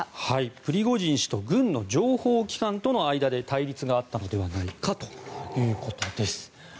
プリゴジン氏と軍の情報機関との間で対立があったのではないかということです。